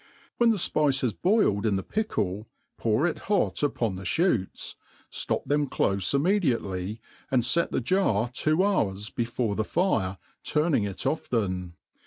When ^ fpice has boiled in the pickle, pour it hot upon* t^e ihootd, Aop them clofe immediately, ^nd fet the jar two hours before the fire, turning it often.